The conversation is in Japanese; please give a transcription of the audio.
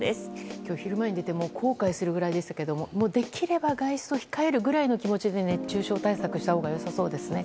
今日昼間に出て後悔するぐらいでしたけどもできれば外出を控えるぐらいの気持ちで熱中症対策したほうがよさそうですね。